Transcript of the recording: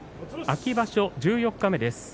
秋場所十四日目です。